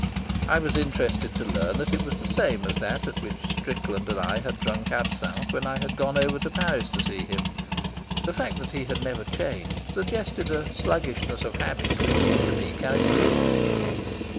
I was interested to learn that it was the same as that at which Strickland and I had drunk absinthe when I had gone over to Paris to see him. The fact that he had never changed suggested a sluggishness of habit which seemed to me characteristic.